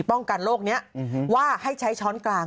ป้องกันโรคนี้ว่าให้ใช้ช้อนกลาง